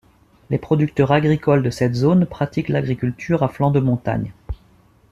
Les producteurs agricoles de cette zone pratiquent l'agriculture à flanc de montagne.